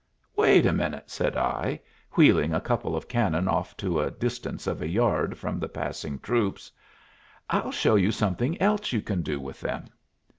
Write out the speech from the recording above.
"Wait a minute," said I, wheeling a couple of cannon off to a distance of a yard from the passing troops. "I'll show you something else you can do with them."